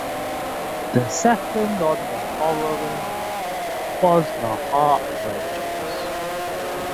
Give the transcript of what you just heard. The second on the following night was the Heartbreakers.